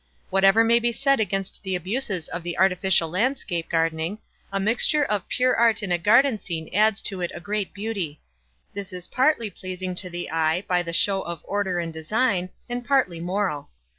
Whatever may be said against the abuses of the artificial landscape gardening, a mixture of pure art in a garden scene adds to it a great beauty. This is partly pleasing to the eye, by the show of order and design, and partly moral.